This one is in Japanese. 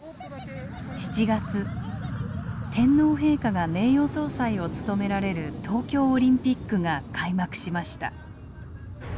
７月天皇陛下が名誉総裁を務められる東京オリンピックが開幕しました。